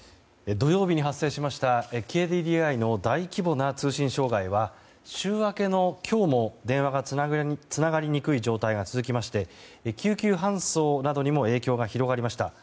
土曜日に発生しましたＫＤＤＩの大規模な通信障害は週明けの今日も電話がつながりにくい状態が続きまして救急搬送などにも影響が広がりました。